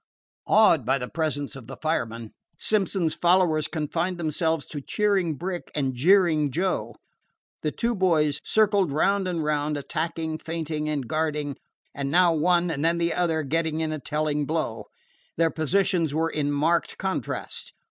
Awed by the presence of the fireman, Simpson's followers confined themselves to cheering Brick and jeering Joe. The two boys circled round and round, attacking, feinting, and guarding, and now one and then the other getting in a telling blow. Their positions were in marked contrast.